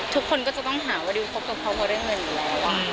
ทุกคนก็จะต้องหาว่าดิวคบกับเขาเพราะเรื่องเงินอยู่แล้ว